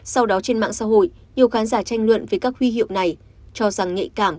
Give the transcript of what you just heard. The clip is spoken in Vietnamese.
sau đó trên mạng xã hội nhiều khán giả tranh luận về các huy hiệu này